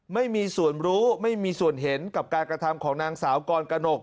ไม่มีส่วนรู้ไม่มีส่วนเห็นกับการกระทำของนางสาวกรกนก